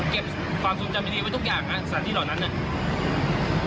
เก็บความทรงจำดีไว้ทุกอย่างฮะสถานที่เหล่านั้นเนี่ย